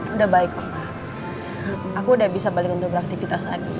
udah baik papa aku udah bisa balik untuk beraktivitas lagi